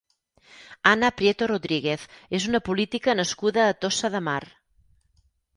Anna Prieto Rodríguez és una política nascuda a Tossa de Mar.